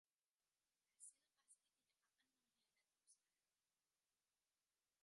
Hasil pasti tidak akang mengkhianati usaha.